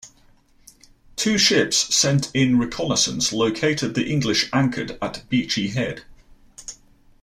Two ships sent in reconnaissance located the English anchored at Beachy Head.